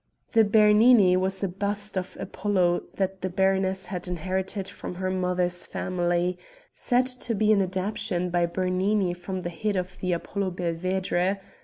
The Bernini was a bust of Apollo that the baroness had inherited from her mother's family said to be an adaptation by Bernini from the head of the Apollo Belvedere.